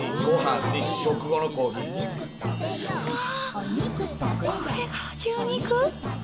うわこれが牛肉！？